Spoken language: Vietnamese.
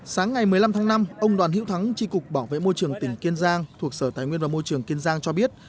sáng ngày một mươi năm tháng năm ông đoàn hữu thắng tri cục bảo vệ môi trường tỉnh kiên giang thuộc sở tài nguyên và môi trường kiên giang cho biết